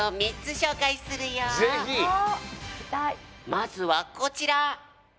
まずはこちら！